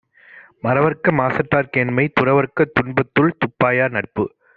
மறவற்க மாசற்றார் கேண்மை; துறவற்க துன்பத்துள் துப்பாயார் நட்பு.